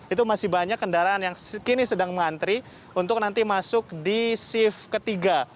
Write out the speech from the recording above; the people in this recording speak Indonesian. itu masih banyak kendaraan yang kini sedang mengantri untuk nanti masuk di shift ketiga